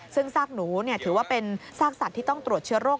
ซึ่งซากหนูถือว่าเป็นซากสัตว์ที่ต้องตรวจเชื้อโรค